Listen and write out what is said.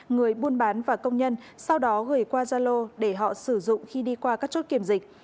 người buôn bán và công nhân sau đó gửi qua gia lô để họ sử dụng khi đi qua các chốt kiểm dịch